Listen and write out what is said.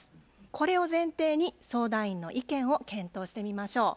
これを前提に相談員の意見を検討してみましょう。